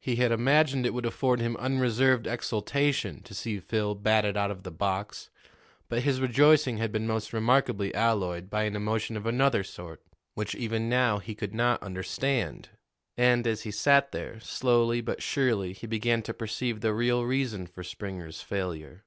He had imagined it would afford him unreserved exultation to see Phil batted out of the box, but his rejoicing had been most remarkably alloyed by an emotion of another sort, which even now he could not understand. And, as he sat there, slowly but surely he began to perceive the real reason for Springer's failure.